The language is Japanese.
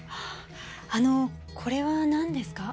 あのこれはなんですか？